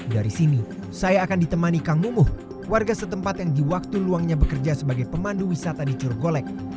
dari sini saya akan ditemani kang mumuh warga setempat yang di waktu luangnya bekerja sebagai pemandu wisata di curgolek